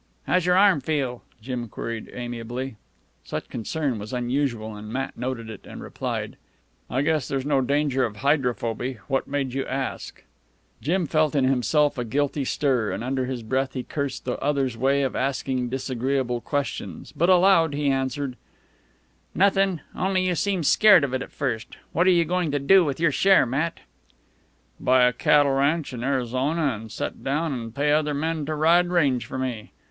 "How's your arm feel?" Jim queried amiably. Such concern was unusual, and Matt noted it, and replied: "I guess there's no danger of hydrophoby. What made you ask?" Jim felt in himself a guilty stir, and under his breath he cursed the other's way of asking disagreeable questions; but aloud he answered: "Nothin', only you seemed scared of it at first. What are you goin' to do with your share, Matt?" "Buy a cattle ranch in Arizona an' set down an' pay other men to ride range for me.